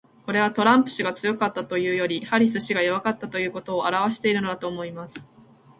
これは、トランプ氏が強かったというよりはハリス氏が弱かったということを表してるのだと思います。